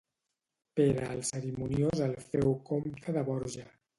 Pere el Cerimoniós el féu comte de Borja.